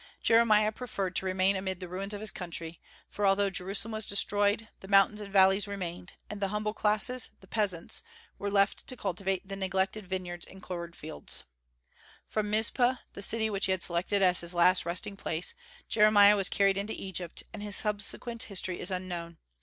Jeremiah preferred to remain amid the ruins of his country; for although Jerusalem was destroyed, the mountains and valleys remained, and the humble classes the peasants were left to cultivate the neglected vineyards and cornfields. From Mizpeh, the city which he had selected as his last resting place, Jeremiah was carried into Egypt, and his subsequent history is unknown.